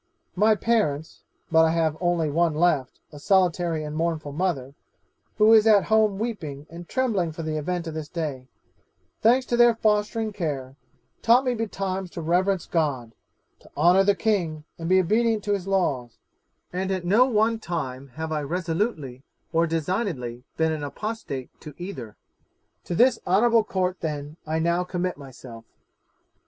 'My parents (but I have only one left, a solitary and mournful mother, who is at home weeping and trembling for the event of this day), thanks to their fostering care, taught me betimes to reverence God, to honour the king, and be obedient to his laws; and at no one time have I resolutely or designedly been an apostate to either. 'To this honourable Court, then, I now commit myself.